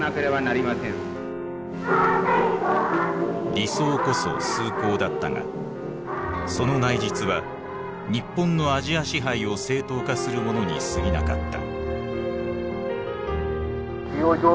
理想こそ崇高だったがその内実は日本のアジア支配を正当化するものにすぎなかった。